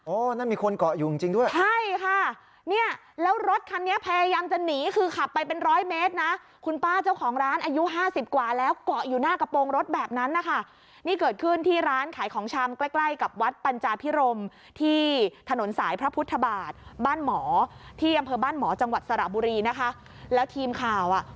นั่นมีคนเกาะอยู่จริงจริงด้วยใช่ค่ะเนี่ยแล้วรถคันนี้พยายามจะหนีคือขับไปเป็นร้อยเมตรนะคุณป้าเจ้าของร้านอายุห้าสิบกว่าแล้วเกาะอยู่หน้ากระโปรงรถแบบนั้นนะคะนี่เกิดขึ้นที่ร้านขายของชำใกล้ใกล้กับวัดปัญจาพิรมที่ถนนสายพระพุทธบาทบ้านหมอที่อำเภอบ้านหมอจังหวัดสระบุรีนะคะแล้วทีมข่าวอ่ะ